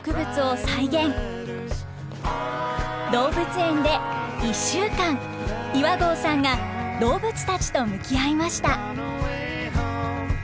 動物園で１週間岩合さんが動物たちと向き合いました。